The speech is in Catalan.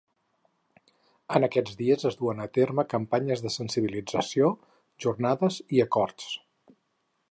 En aquests dies es duen a terme campanyes de sensibilització, jornades i acords.